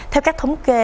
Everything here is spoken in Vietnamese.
theo các thống kê